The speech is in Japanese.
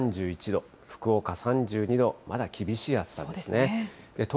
新潟３１度、福岡３２度、まだ厳しい暑さですね。